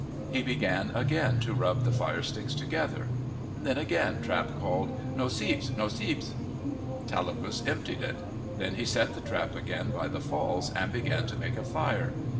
He began again to rub the fire sticks together. Then again Trap called, " Noseepsk ! Noseepsk." Tallapus emptied it. Then he set the trap again by the falls and began to make a fire.